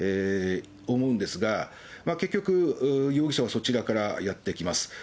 思うんですが、結局、容疑者はそちらからやって来ます。